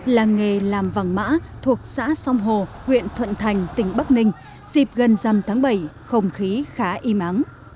làng nghề làm vàng mã thuộc xã sông hồ huyện thuận thành tỉnh bắc ninh dịp gần dằm tháng bảy không khí khá im ắng